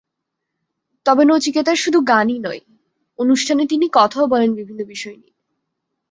তবে নচিকেতার শুধু গানই নয়, অনুষ্ঠানে তিনি কথাও বললেন বিভিন্ন বিষয় নিয়ে।